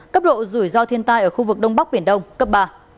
cấp độ rủi ro thiên tai ở khu vực đông bắc biển đông cấp ba